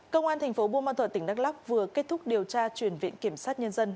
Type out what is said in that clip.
công an thành phố buôn ma thuật tỉnh đắk lóc vừa kết thúc điều tra truyền viện kiểm sát nhân dân